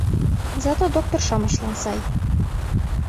Зато доктор-шамычлан сай.